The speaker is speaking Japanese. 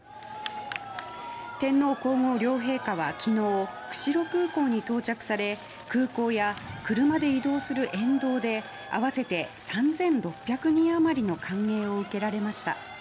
天皇・皇后両陛下は昨日釧路空港に到着され空港や車で移動する沿道で合わせて３６００人余りの歓迎を受けられました。